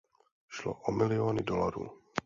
Šlo o miliony dolarů.